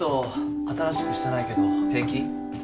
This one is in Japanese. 新しくしてないけど平気？